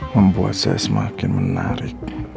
membuat saya semakin menarik